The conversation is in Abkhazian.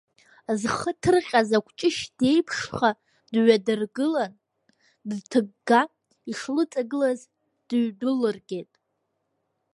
Зхы ҭырҟьаз акәҷышь деиԥшха, дҩадыргылан, дҭыгга ишлыҵагылаз дыҩдәылыргеит.